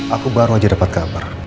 aku baru aja dapat kabar